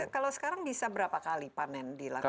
kalau sekarang bisa berapa kali panen dilakukan